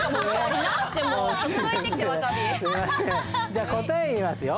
じゃあ答えいきますよ。